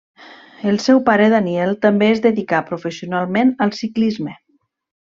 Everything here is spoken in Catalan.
El seu pare Daniel també es dedicà professionalment al ciclisme.